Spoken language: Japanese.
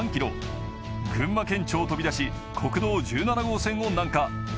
群馬県庁を飛び出し国道１７号線を南下。